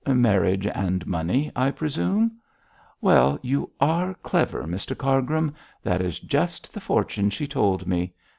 'Marriage and money, I presume.' 'Well, you are clever, Mr Cargrim; that is just the fortune she told me.